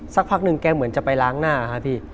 สักพักหนึ่งแกเหมือนจะไปล้างหน้าครับพี่